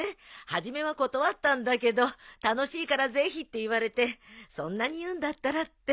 初めは断ったんだけど楽しいからぜひって言われてそんなに言うんだったらって。